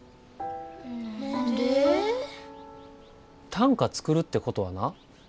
短歌作るってことはな